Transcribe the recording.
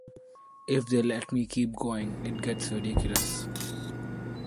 If they let me keep going, it gets ridiculous.